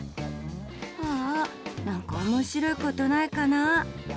はあ、何か面白いことないかな。